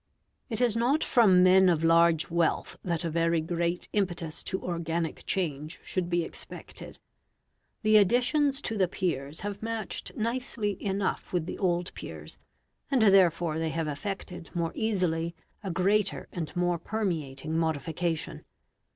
It is not from men of large wealth that a very great impetus to organic change should be expected. The additions to the Peers have matched nicely enough with the old Peers, and therefore they have effected more easily a greater and more permeating modification.